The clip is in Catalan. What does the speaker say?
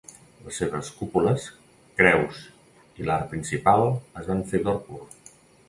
Les seves cúpules, creus i l'arc principal es van fer d'or pur.